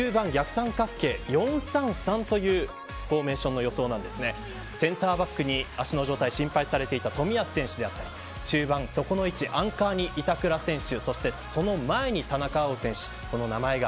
三角形４‐３‐３というフォーメーションの予想ですがセンターバックに足の状態が心配されていた冨安選手だったり中盤そこの位置アンカーに板倉選手。